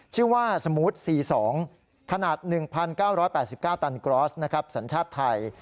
ชื่อว่าสมูท๔๒ขนาด๑๙๘๙ตันกรอสสัญชาติไทย